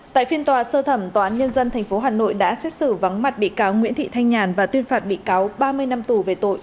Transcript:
tại phiên tòa sơ thẩm tòa án nhân dân tp hà nội đã xét xử vắng mặt bị cáo nguyễn thị thanh nhàn và tuyên phạt bị cáo ba mươi năm tù về tội